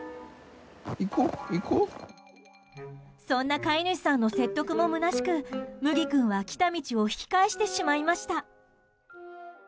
そんな飼い主さんの説得もむなしくむぎ君は来た道を引き返してしまいました。